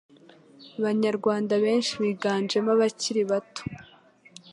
banyarwanda benshi biganjemo abakiri bato,